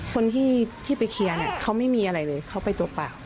คนที่ไปเคียร์เขาไม่มีอะไรเลยเขาไปตัวปาก